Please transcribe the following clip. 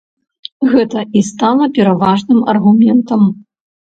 Гэта і стала пераважным аргументам.